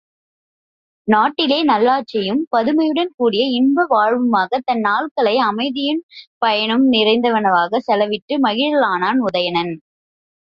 நாட்டிலே நல்லாட்சியும், பதுமையுடன் கூடிய இன்ப வாழ்வுமாகத் தன் நாள்களை அமைதியும் பயனும் நிறைந்தனவாகச் செலவிட்டு மகிழலானான் உதயணன்.